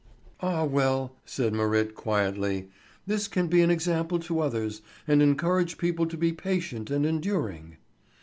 "Ah well," said Marit quietly, "this can be an example to others, and encourage people to be patient and enduring."